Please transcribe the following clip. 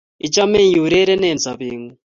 Ichome iurerenen sobeng'ung'